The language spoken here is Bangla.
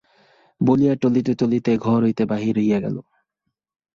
বলিয়া টলিতে টলিতে ঘর হইতে বাহির হইয়া গেল!